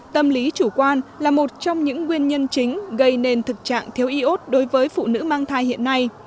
tâm lý chủ quan là một trong những nguyên nhân chính gây nên thực trạng thiếu iốt đối với phụ nữ mang thai hiện nay